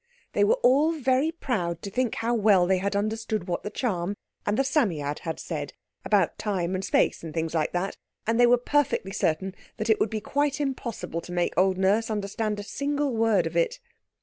They were all very proud to think how well they had understood what the charm and the Psammead had said about Time and Space and things like that, and they were perfectly certain that it would be quite impossible to make old Nurse understand a single word of it.